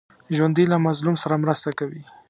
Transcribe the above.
ژوندي له مظلوم سره مرسته کوي